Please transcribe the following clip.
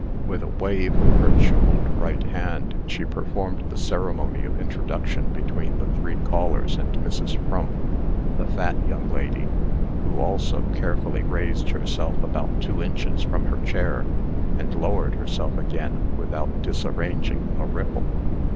With a wave of her jewelled right hand she performed the ceremony of introduction between the three callers and Mrs. Frump the fat young lady who also carefully raised herself about two inches from her chair, and lowered herself again, without disarranging a ripple.